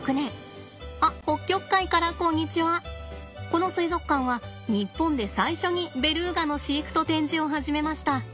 この水族館は日本で最初にベル―ガの飼育と展示を始めました。